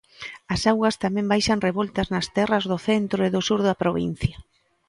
As augas tamén baixan revoltas nas terras do centro e do sur da provincia.